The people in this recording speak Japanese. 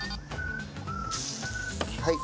はい。